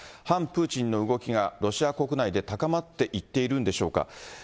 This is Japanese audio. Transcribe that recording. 反プーチンの動きがロシア国内で高まっていっているんでしょうか。